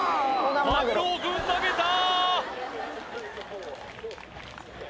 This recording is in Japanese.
マグロをぶん投げた！